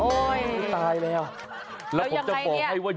โอ๊ยตายแล้วแล้วยังไงเนี่ยแล้วผมจะบอกให้ว่า